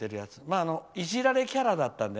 まあ、いじられキャラだったので。